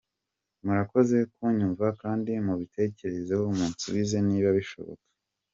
Murakoze kunyumva kdi mubitekerezeho munsubize niba bishoboka.